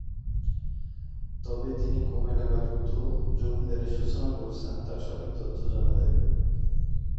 তবে তিনি কবে নাগাদ উক্ত জমিদারীর সূচনা করেছেন তার সঠিক তথ্য জানা যায়নি।